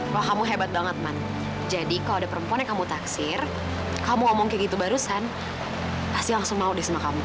bahwa kamu hebat banget man jadi kalau ada perempuan yang kamu taksir kamu omong kayak gitu barusan pasti langsung mau di semua kamu